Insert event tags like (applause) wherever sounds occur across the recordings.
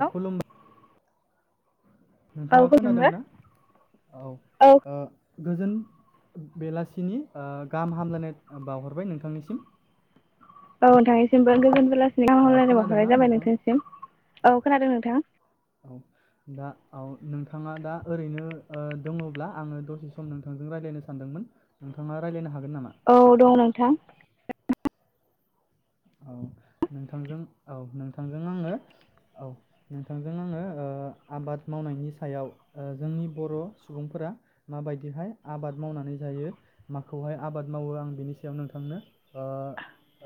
औ खुलुमबाय औ नोंथाङा खोनादोंबा? खोनादोंना औ ओ गोजोन बेलासिनि ओ गाहाम हामलायनाय बावहरबाय नोंथांनिसिम। औ नोंथांनिसिमबो गोजोन बेलासिनि गाहाम ओ हलायनाय बावहरनाय खोनादोंना जाबाय नोंथाङा? नोंथांनिसिम औ खोनादों नोंथां? औ दा औ नोंथाङा दा ओरैनो ओ दङब्ला आङो दसे सम नोंथांजों रायज्लायनो सानदोंमोन नोंथाङा रायज्लायनो हागोन नामा? औ दं नोंथां। (unintelligible) औ नोंथांजों औ नोंथांजों आङो औ नोंथांजों आङो ओ आबाद मावनायनि सायाव जोंनि बर' सुबुंफोरा माबायदिहाय आबाद मावनानै जायो माखौहाय आबाद मावो आं बिनि सायाव नोंथांनो ओ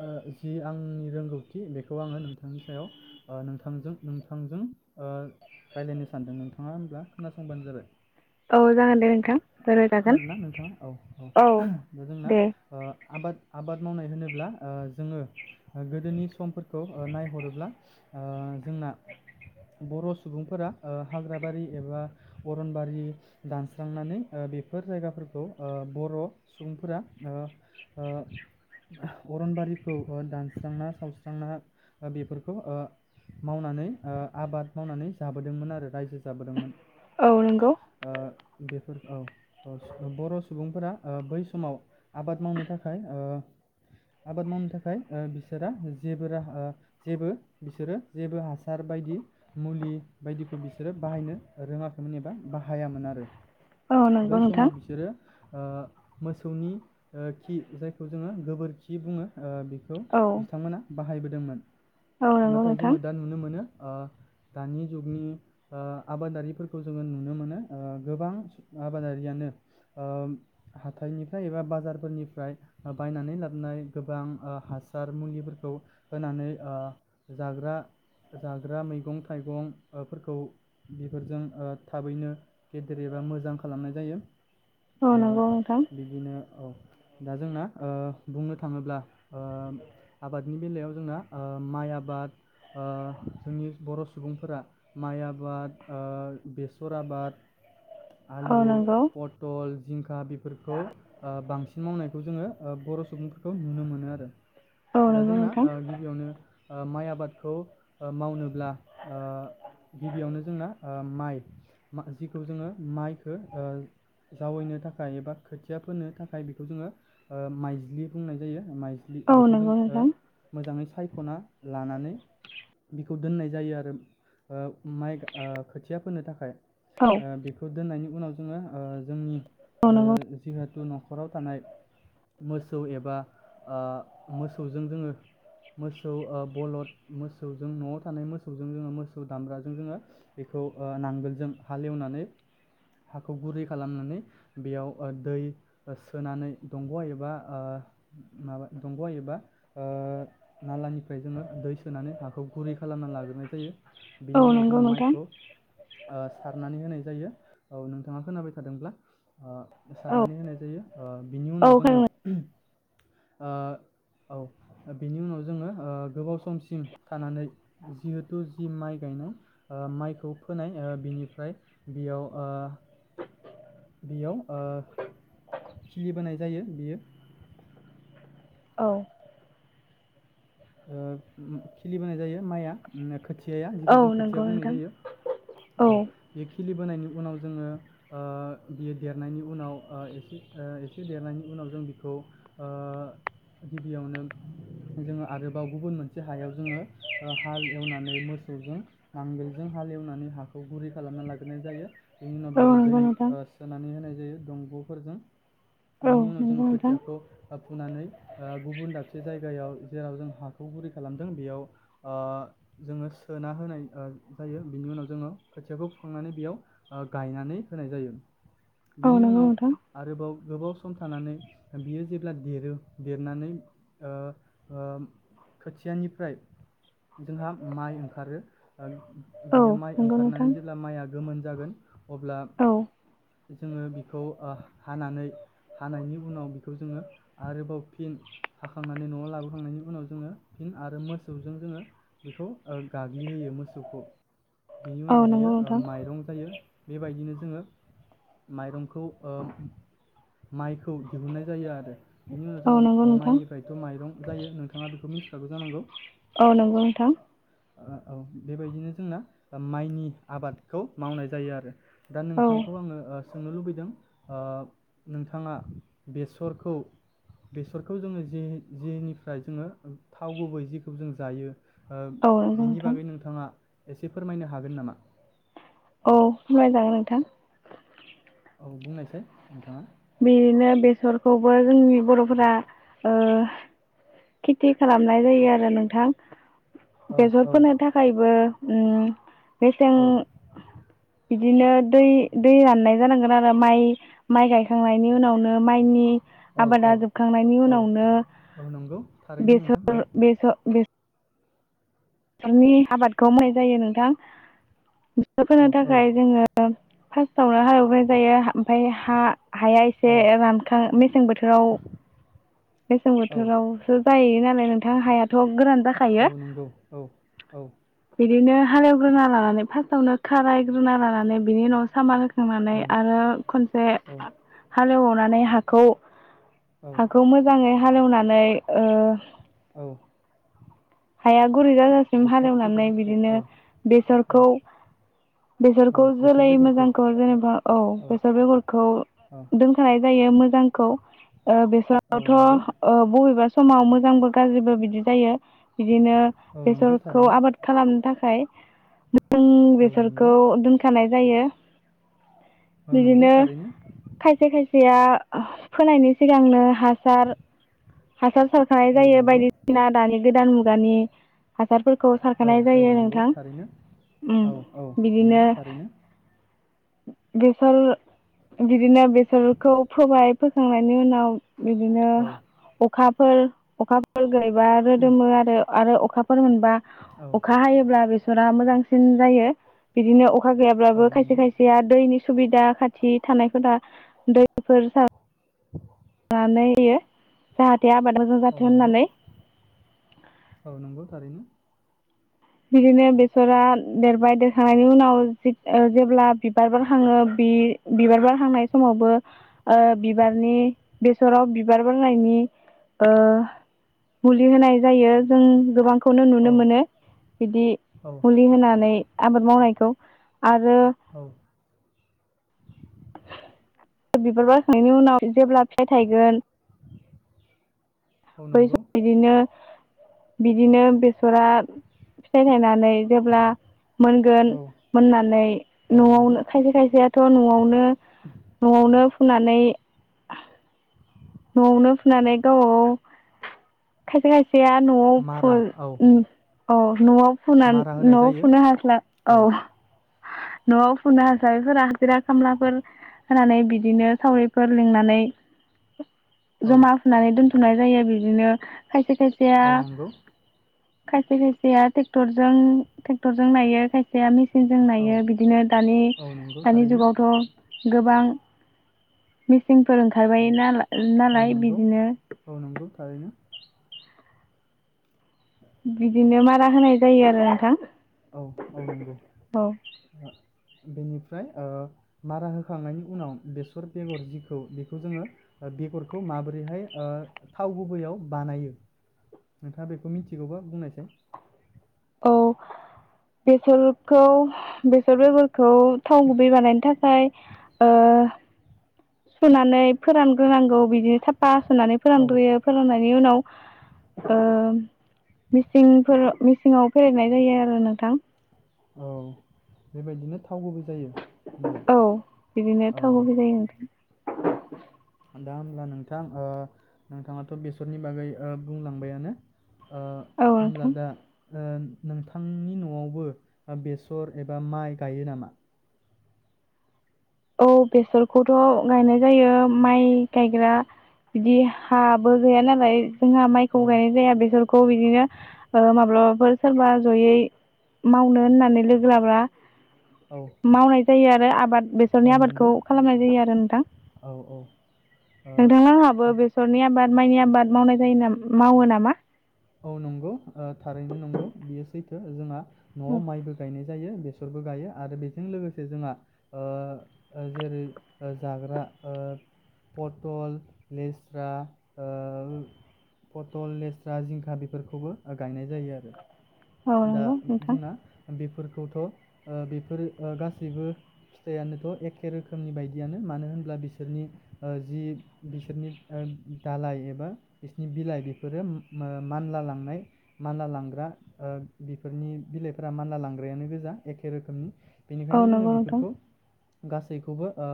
ओ जि आंनि रोंगौथि बेखौ आङो नोंथांनि सायाव ओ नोंथांजों नोंथांजों ओ रायलायनो सानदों नोंथाङा होमब्ला खोनासंबानो जाबाय। औ जागोन दे नोंथां रायलायजागोन। खोनादों ना नोंथाङा? औ औ दा जोंना दे। ओ आबाद आबाद मावनाय होनोब्ला ओ जोङो गोदोनि समफोरखौ ओ नायहरोब्ला ओ जोंना बर' सुबुंफोरा ओ हाग्राबारि एबा अरनबारि दानस्रांनानै ओ बेफोर जायगाफोरखौ ओ बर' सुबुंफोरा ओ ओ अरनबारिखौ दानस्रांना सावस्रांना बेफोरखौ ओ मावनानै ओ आबाद मावनानै जाबोदोंमोन आरो रायजो जाबोदोंमोन। औ नंगौ ओ बेफोर औ औ बर' सुबुंफोरा ओ बै समाव आबाद मावनो थाखाय ओ आबाद मावनो थाख खाय बिसोरा जेबो राहा जेबो बिसोरो जेबो हासार बायदि मुलि बायदिखौ बिसोरो बाहायनो रोङाखैमोन एबा बाहायामोन आरो। औ नंगौ बै नोंथां। समाव बिसोरो ओ मोसौनि खि जायखौ जोङो गोबोरखि बुङो ओ बे खौ औ। बिथांमोना बाहायबोदोंमोन। औ नंगौ नाथाय नोंथां जोङो दा नुनो मोनो ओ दानि जुगनि ओ आबादारिफोरखौ जोङो नुनो ओ मोनो गोबां आबादारियानो ओ हाथाइनिफ्राय एबा बाजारफोरनिफ्राय बायनानै लाबोनाय गोबां ओ हासार मुलिफोरखौ होनानै ओ जाग्रा जाग्रा मैगं थाइगं ओ फोरखौ बेफोरजों ओ थाबैनो गेदेर एबा मोजां खालामनाय जायो। औ ओ नंगौ नोंथां बिदिनो औ दा जोंना ओ बुंनो थाङोब्ला ओ आबादनि बेलायाव जोंना ओ माइ आबाद ओ जोंनि बर' सुबुंफोरा माइ आबाद बेसर आबाद औ आलु, नंगौ पटल खा बेफोरखौ बांसिन मावनायखौ जोङो बर सुबुंफोरखौ नुनो मोनो आ रो औ दा नंगौ जोंना नोंथां गिबियावनो माइ आबादखौ मावनोब्ला गिबियावनो जोंना माइखौ जोङो माइखौ जावैनो थाखाय एबा खोथिया फोनो थाखाय बेखौ जोङो माइज्लि बुंनाय जायो माय औ बेखौ जों नंगौ नोंथां हो मोजाङै सायखना लानानै बिखौ दोननाय जायो आरो ओ माइ खोथिया फोनो थाखाय औ बेखौ दोननायनि उनाव जोङो जोंनि औ नंगौ ओम जिहतु न नखराव थानाय मोसौ एबा मोसौजों जोङो मोसौ बलद मोसौजों नआव थानाय मोसौजों जोङो मोसौ दामब्राजों जोङो बेखौ नांगोलजों हालेवनानै हाखौ गुरै खालामनानै बेयाव दै सोनानै दंग एबा माबा दंग एबा नालानिफ्राय जोङो दै सोनानै हाखौ गुरै खालामनानै लाग्रोनाय जायो औ बिनि उनाव नंगौ जोङो नोंथां माइखौ सारनानै होनाय जायो औ नोंथाङा खोनाबाय थादोंब्ला औ सारनानै होनाय जायो बिनि उनाव औ जोङो खोनादों ओ औ बिनि उनाव जोङो गोबाव समसिम थानानै जिहेथु जि माइ गायनाय माइखौ फोनाय बिनिफ्राय बेयाव ओ बेयाव ओ खिलिबोनाय जायो बियो औ खिलिबोनाय जायो माइआ खोथि थियाया औ जिखौ जों खोथिया नंगौ बुंनाय नोंथां जायो औ बे खिलिबोनायनि उनाव जोङो ओ बियो देरनायनि ओ उनाव एसे एसे देरनायनि उनाव जों बिखौ गिबियावनो जों आरो बाव गुबुन मोनसे हायाव जोङो हाल एवनानै मोसौजों नांगोलजों हाल एवनानै हाखौ गुरै खालामना लाग्रोनाय जायो बेनि उनाव औ बेयाव दै नंगौ नोंथां सोनानै होनाय जे दंगफोरजों औ बिनि उनाव जोंङो नंगौ नोंथां खोथियाखौ फुनानै गुबुन दाबसे जायगायाव जेराव जों हाखौ गुरै खालामदों बेयाव जोङो सोना होनाय जायो बिनि उनाव जोङो खोथियाखौ फुखांनानै बेयाव गायनानै होनाय जायो औ बिनि नंगौ उनाव नोंथां आरोबाव गोबाव सम थानानै बियो जेब्ला देरो देरनानै ओ ओ खोथियानिफ्राय जोंहा माइ ओंखारो औ बियो माइ नंगौ ओंखारनानै नोंथां जेब्ला माइआ गोमोन जागोन अब्ला औ जोङो बिखौ हानानै हानायनि उनाव बिखौ जोङो आरोबाव फिन हाखांनानै नआव लाबोखांनायनि उनाव जोंङो फि आरो मोसौजों जोङो बेखौ गाग्लि होयो मोसौखौ बिनि औ उनाव बियो नंगौ नोंथां माइरं जायो। बेबायदिनो जोङो माइरंखौ माइखौ दिहुननाय जायो आरो बिनि उनाव औ जों नंगौ नोंथां माइनिफ्रायथ माइरं जायो नोंथ नोंथाङा बेखौ मिन्थिखागौ जानांगौ औ नंगौ नोंथां औ बेबायदिनो जोंना माइनि आबादखौ मावनाय जायो आरो दा औ नोंथांखौ आङो सोंनो लुबैदों ओ नोंथाङा बेसरखौ बेसरखौ जोङो जे जेनिफ्राय जोङो थाव गुबै जिखौ जों जायो। ओ औ नंगौ बिनि नोंथां बागै नोंथाङा एसे फोरमायनो हागोन नामा? औ मोजां नोंथां औ बुंनायसाय नोंथाङा बिदिनो बेसरखौबो जोंनि बरफोरा ओ खेथि खालामनाय जायो आरो नोंथां औ बेसर औ फोनो थाखायबो ओम मेसें औ बिदिनो दै दै राननाय जानांगोन आरो माइ माइ गाय खांनायनि उनावनो माइनि औ औ आबादा जोबखांनायनि औ उनावनो औ नंगौ थारैनो नोंथां औ बेसर बेसर (unintelligible) आबादखौ मावनाय जायो नोंथां इको फोनो औ औ थाखाय जोङो फार्स्टआवनो हाल एवनाय जायो ओमफ्राय हा हाया एसे औ रानखां मेसें बोथोराव मेसें औ बोथोरावसो जायो नालाय नोंथां हायाथ गोरान जाखायो औ नंगौ औ औ बिदिनो हालेवग्रोना लानानै फार्स्टआवनो खाराय ग्रोना लानानै बिनि उनाव सामार हो होखांनानै औ आरो खनसे हा हाल एवनानै हाखौ औ औ हाखौ मोजाङै हालेवनानै ओ औ हाया गुरै जाजासिम बेसर हालेवनानै बेगरफोरखौ बिदिनो औ बेसरखौ औ औ बेसरखौ बेसर जोलै बेगरखौ मोजांखौ जेनेबा औ बेसर बेगरखौ औ दोनखानाय जा जायो मोजांखौ ओ औ बेसरावथ नंगौ ओ बबेबा समाव मोजांबो गाज्रिबो बिदि जायो। बिदिनो औ नंगौ बेसरखौ थारैनो आबाद खालामनो थाखाय (unintelligible) जों औ नंगौ बेसरखौ दोनखानाय जायो। औ नंगौ बिदिनो थारैनो खायसे खायसेया ओ फोनायनि सिगांनो हासार हासार सारखानाय औ जायो नंगौ बायदिसिना दानि गोदान मुग (unintelligible) हासारफोरखौ औ सारखानाय औ जायो नंगौ नोंथां थारैनो उम औ औ नंगौ बिदिनो थारैनो बेसर बिदिनो बेसरखौ फोबाय फोखांनायनि उनाव बिदिनो औ अखा फोर अखाफोर (unintelligible) रोदोमो आ आरो अखा फोर मोनबा औ अखा हायोब्ला रो बेसरा मोजांसिन जायो बिदिनो अ अखा औ गैयाब्लाबो खायसे नंगौ खायसेया दैनि सुबिदा खाथि थानायफोरा दैफोर सार (inaudible) (unintelligible) मोजां औ जाथों नंगौ होननानै औ नंगौ थारैनो बिदिनो बेसरा देरबाय देरखांनायनि उनाव जेब्ला बिबार बारहाङो बि-बिबार बारहांनाय समावबो ओ बिबारनि बेसराव बिबार बारनायनि ओ मुलि होनाय जायो जों गोबां खौनो नुनो औ मोनो बिदि औ मुलि होनानै आबाद मावनायखौ आरो औ बिबार बारखांनायनि उनाव जेब्ला फिथाइ थायगोन औ बै नंगौ बिदिनो बिदिनो बेसरा फिथाइ थायनानै जेब्ला मोनगोन औ मोननानै औ नंगौ नआवनो खायसे खायसेयाथ‌ नआवनो नआवनो फुनानै नआवनो फुनानै गावाव खायफा खाय फाया नआव मारा औ फु--ओम अ नआव फुनान मारा होनाय नआव जायो फुनो हास्ला औ नआव फुनो हासारिफोरा हाजिरा खामलाफोर होनानै बिदिनो सावरिफोर लिंनानै औ जमा फुनानै दोनथ फुनाय जायो बिदिनो खायसे खायसेया औ नंगौ खायसे खायसेया ट्रेक्टरजों ट्रेक्टरजों नायो खायसेया मि सिन जों औ नायो बिदिनो दानि औ नंगौ दानि थारैनो जुगावथ गोबां मिस सिंफोर औ ओंखारबाय नाला औ नालाय नंगौ बिदिनो औ नंगौ थारैनो बिदिनो मार रा होनाय जायो आरो नोंथां औ औ नंगौ औ ओ, बेनिफ्राय ओ मारा होखांनायनि उनाव बेसर बेगर जिखौ बेखौ जोङो बेगरखौ माबोरैहाय ओ थाव गुबैयाव बानायो नोंथाङा बेखौ मिथिगौबा बुंनायसाय? औ बेसरखौ बेसर बेगर खौ थाव गुबै बानायनो थाखा फ्राय ओ सुनानै फोरानग्रोनांगौ बिदि साफा फुनानै औ फोरानग्रोयो फोराननाय बिनि उनाव ओ मिंसिंफोर मिसिंङाव फोरेतनाय जायो आरो नोंथां औ बेबायदिनो था थावबोबो जायो होब्ला औ बिदिनो औ थाव गुबै जायो नोंथां (unintelligible) दा होमब्ला नोंथां ओ नोंथाङाथ' बेसरनि बागै ओ बुंलांबायानो ओ औ होनब्ला नोंथां दा ओ नोंथांनि न'आवबो बेसर एबा माइ गायो नामा? औ बेसरखौथ' गायनाय जायो माइ गायग्रा बिदि हाबो गैया नालाय जोंहा माइखौ औ गायनाय जाया बेसर खौ बिदिनो ओ माब्लाबाफोर सोरबा जयै मावनो होननानै लोगो लाब्ला औ मावनाय जायो आरो आप बात औ बेसरनि आबादखौ नंगौ खालामनाय जायो आरो नोंथां औ औ नोंथांआंहाबो ओ बेसरनि आबाद माइनि आबाद मावनाय जायोनाम मावो नामा? औ नंगौ ओ थारैनो नंगौ बियो सैथो जोंङा न'आव माइबो गायनाय जायो बेसरबो गायो आरो बेजों लोगोसे जोंङा ओ ओ जेरै जाग्रा ओ पटल लेस्रा ओ पटल लेस्रा जिंख जाहा बेफोरखौबो ओ गायनाय जायो आरो। औ दा नंगौ नोंथां जोंना बेफ फोरखौथ' ओ बेफोरो ओ गासैबो फिथाइयानोथ' एखे रोखोमनि बायदियानो मानो होनब्ला बिसोरनि ओ जि बिसोरनि ओ दालाय एबा बिसोरनि बिलाइ बेफोरो मा मानला लांनाय मानला लांग्रा ओ बिफोरनि बिलाइफोरा मानला लांग्रायानो गोजा एखे रोखोमनि औ बेनिखायनो जोङो नंगौ नोंथां बिफोरखौ गासैखौबो ओ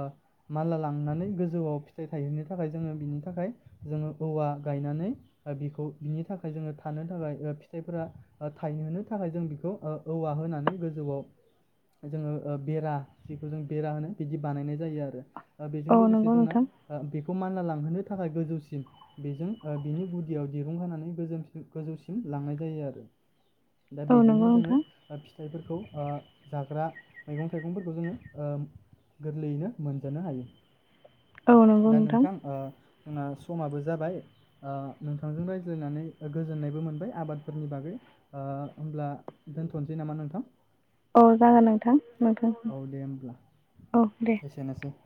मानला लांनानै गोजौआव फिथाइ थायहैनो थाखाय जोङो बिनि थाखाय जोङो औवा गायनानै ओ बिखौ बिनि थाखाय जोङो थानो थाखाय ओ फिथाइफोरा ओ थायहोनो थाखाय जों बेखौ ओ औवा होनानै गोजौआव जोङो ओ बेरा जिखौ जों बेरा होनो बिदि बानायनाय जायो आरो ओ बेजों औ नंगौ लोगोसे जोंना नोंथां ओ बेखौ मानलालां लांहोनो थाखाय गोजौसिम बेजों ओ बिनि गुदियाव दिरुं होनानै गोजोनसिम गोजौसिम लांनाय जायो आरो। दा औ नंगौ बिदिनो जोङो नोंथां ओ फिथाइफोरखौ ओ जाग्रा मैगं-थाइगंफोरखौ जोङो ओ गोरलैयैनो मोनजानो हायो। औ नंगौ दा नोंथां ओ जोंना समाबो जाबाय ओ नोंथांजों रायज्लायनानै गोजोननायबो मोनबाय आबादफोरनि बागै। ओ होमब्ला दोनथ'नोसै नामा नोंथां? औ जागोन नोंथां। नोंथां औ दे होमब्ला औ दे एसेनोसै।